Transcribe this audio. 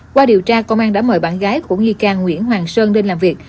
qua điều tra công an đã mời bạn gái của nghi can nguyễn hoàng sơn lên làm việc